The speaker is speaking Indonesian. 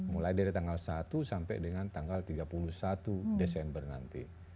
mulai dari tanggal satu sampai dengan tanggal tiga puluh satu desember nanti